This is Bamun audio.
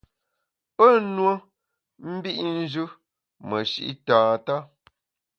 Pe nue mbit njù meshi’ tata.